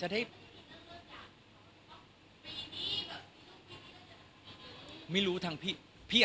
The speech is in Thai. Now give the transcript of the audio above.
จะให้